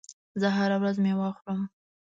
زه هره ورځ مېوه خورم.